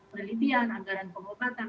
penelitian anggaran pengobatan